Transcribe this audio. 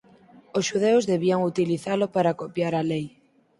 Os xudeus debían utilizalo para copiar a Lei.